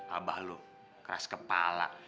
abah lo keras kepala